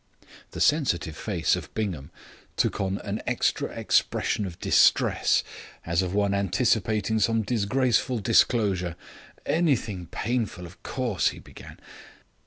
The sensitive face of Bingham took on an extra expression of distress as of one anticipating some disgraceful disclosure. "Anything painful, of course " he began.